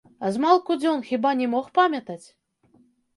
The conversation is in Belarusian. А змалку дзён хіба не мог памятаць?